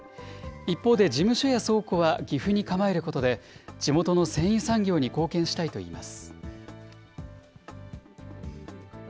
一方で事務所や倉庫は岐阜に構えることで、地元の繊維産業に貢献したいといいます。